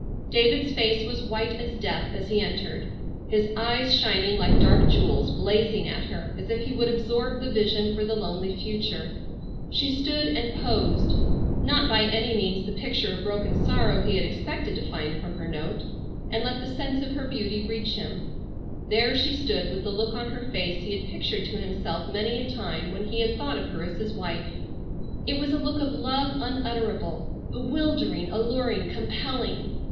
David's face was white as death as he entered, his eyes shining like dark jewels blazing at her as if he would absorb the vision for the lonely future. She stood and posed,—not by any means the picture of broken sorrow he had expected to find from her note,—and let the sense of her beauty reach him. There she stood with the look on her face he had pictured to himself many a time when he had thought of her as his wife. It was a look of love unutterable, bewildering, alluring, compelling.